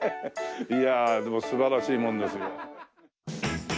いやでも素晴らしいものですよ。